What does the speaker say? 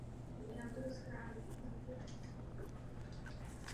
Toto není v souladu s jednacím řádem.